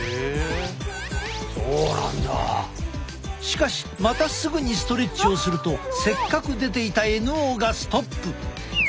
しかしまたすぐにストレッチをするとせっかく出ていたＮＯがストップ！